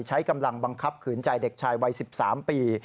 ใช้กำลังบังคับขืนใจเด็กชายวัย๑๓ปี